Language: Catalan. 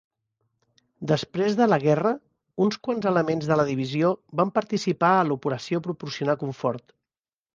Després de la guerra, uns quants elements de la divisió van participar a l'Operació Proporcionar Comfort.